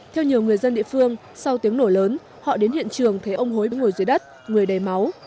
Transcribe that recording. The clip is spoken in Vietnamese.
theo nhiều người dân địa phương sau tiếng nổ lớn họ đến hiện trường thấy ông hối dưới đất người đầy máu